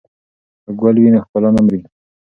که ګل وي نو ښکلا نه مري.